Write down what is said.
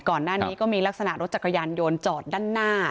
ก่อนหน้านี้ก็มีลักษณะรถจักรยานยนต์จอดด้านหน้า